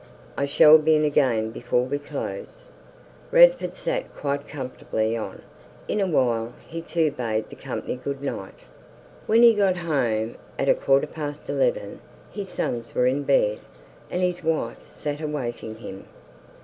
I s'll be in again before we close." Radford sat quite comfortably on. In a while, he too bade the company good night. When he got home, at a quarter past eleven, his sons were in bed, and his wife sat awaiting him.